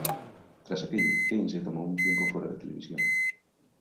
Tras aquello, Kane se tomó un tiempo fuera de televisión.